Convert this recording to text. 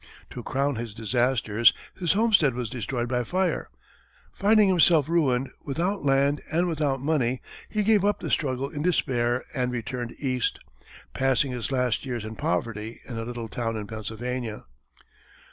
To crown his disasters, his homestead was destroyed by fire; finding himself ruined, without land and without money, he gave up the struggle in despair and returned east, passing his last years in poverty in a little town in Pennsylvania.